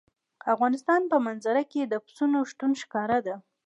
د افغانستان په منظره کې د پسونو شتون ښکاره دی.